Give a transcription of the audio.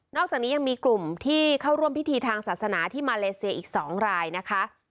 อกจากนี้ยังมีกลุ่มที่เข้าร่วมพิธีทางศาสนาที่มาเลเซียอีก๒รายนะคะ